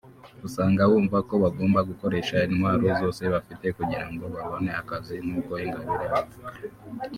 usanga bumva ko bagomba gukoresha intwaro zose bafite kugira ngo babone akazi nk’uko Ingabire abivuga